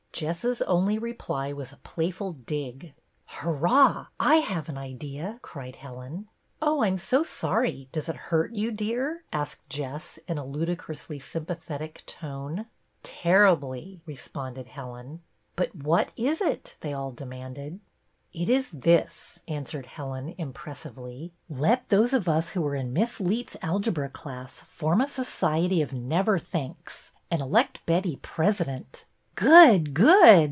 Jess's only reply was a playful dig. " Hurrah ! I have an idea !" cried Helen. " Oh, I 'm so sorry ; does it hurt you, dear.?" asked Jes.s, in a ludicrously sympa thetic tone. " Terribly," responded Helen. " But what is it .?" they all demanded. " It is this," answered Helen, impressively. "Let those of us who are in Miss Leet's algebra class form a society of Never Thinks and elect Betty President." " Good ! good